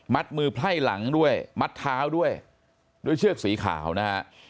มือไพ่หลังด้วยมัดเท้าด้วยด้วยเชือกสีขาวนะฮะ